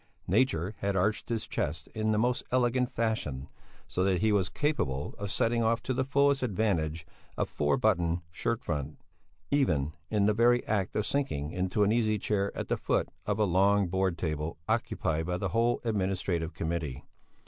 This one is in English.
Nature had arched his chest in the most elegant fashion, so that he was capable of setting off to the fullest advantage a four buttoned shirt front, even in the very act of sinking into an easy chair at the foot of a long Board table occupied by the whole Administrative Committee.